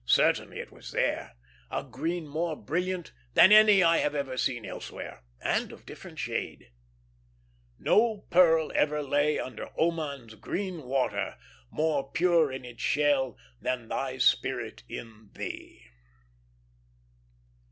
Certainly it was there a green more brilliant than any I have ever seen elsewhere, and of different shade. "No pearl ever lay under Oman's green water, More pure in its shell than thy spirit in thee."